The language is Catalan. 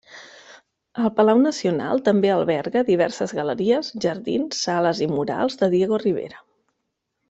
El Palau Nacional també alberga diverses galeries, jardins, sales i murals de Diego Rivera.